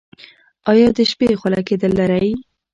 ایا د شپې خوله کیدل لرئ؟